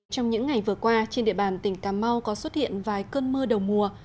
trong những ngày vừa qua trên địa bàn tỉnh cà mau có xuất hiện vài cơn mưa đầu mùa